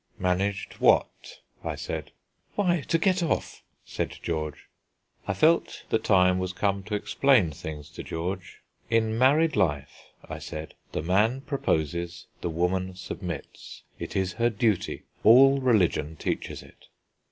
"Managed what?" I said. "Why, to get off," said George. I felt the time was come to explain things to George. "In married life," I said, "the man proposes, the woman submits. It is her duty; all religion teaches it."